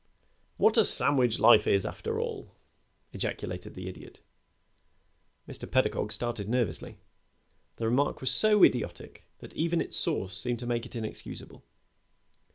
"What a sandwich life is, after all!" ejaculated the Idiot. Mr. Pedagog started nervously. The remark was so idiotic that even its source seemed to make it inexcusable.